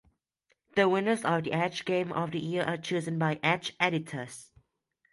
The winners of the "Edge" Game of the Year are chosen by "Edge" editors.